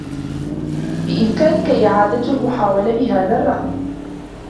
بإمكانك إعادة المحاولة بهذا الرّقم.